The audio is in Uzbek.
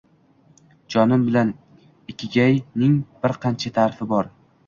— Jonim bilan. “Ikigay”ning bir qancha taʼrifi bor.